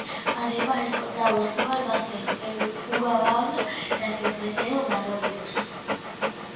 Ademais contamos cun almacén e unha aula na que ofrecer obradoiros.